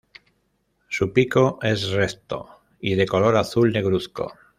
Su pico es recto y de color azul negruzco.